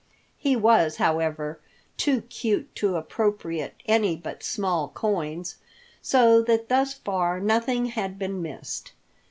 He was, however, too cute to appropriate any but small coins, so that thus far nothing had been missed.